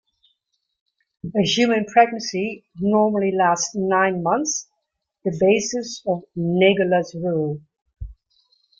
A human pregnancy normally lasts nine months, the basis of Naegele's rule.